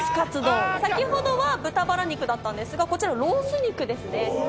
先ほどは豚バラ肉だったんですがこちらロース肉ですね。